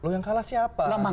yang kalah siapa